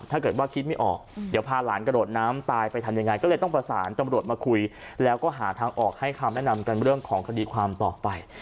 ถ้าเกิดว่าคิดไม่ออกเดี๋ยวพาหลานกระโดดน้ำตายไปทำยังไงก็เลยต้องประสานตำรวจมาคุยแล้วก็หาทางออกให้คำแนะนำกันเรื่องของคดีความต่อไป